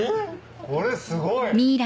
これすごい！